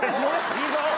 いいぞ！